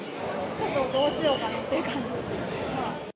ちょっとどうしようかなっていう感じです。